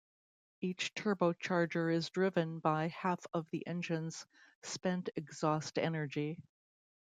Each turbocharger is driven by half of the engine's spent exhaust energy.